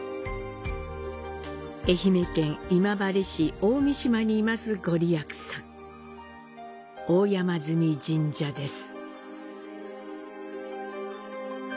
愛媛県今治市大三島に坐すごりやくさん、大山祇神社です。